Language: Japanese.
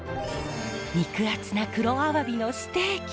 肉厚な黒アワビのステーキ。